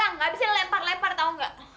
bukan barang gak bisa dilempar lempar tau gak